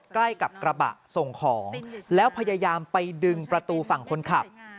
ใกล้กับกระบะส่งของแล้วพยายามไปดึงประตูฝั่งคนขับ